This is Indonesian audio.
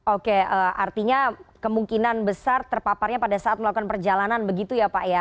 oke artinya kemungkinan besar terpaparnya pada saat melakukan perjalanan begitu ya pak ya